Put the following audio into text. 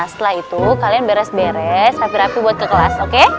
setelah itu kalian beres beres rapi rapi buat ke kelas oke